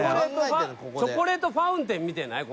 「チョコレートファウンテン見てない？